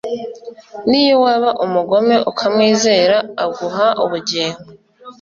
Niyo waba umugome ukamwizera aguuha ubugingo